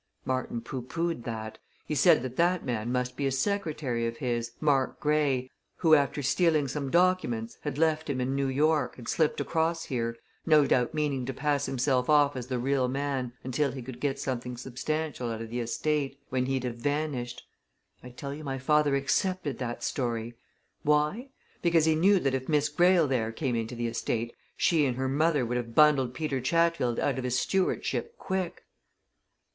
Martin pooh poohed that he said that that man must be a secretary of his, Mark Grey, who, after stealing some documents had left him in New York and slipped across here, no doubt meaning to pass himself off as the real man until he could get something substantial out of the estate, when he'd have vanished. I tell you my father accepted that story why? Because he knew that if Miss Greyle there came into the estate, she and her mother would have bundled Peter Chatfield out of his stewardship quick."